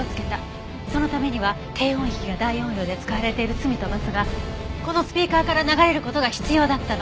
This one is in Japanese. そのためには低音域が大音量で使われている『罪と罰』がこのスピーカーから流れる事が必要だったの。